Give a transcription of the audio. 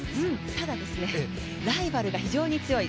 ただ、ライバルが非常に強い。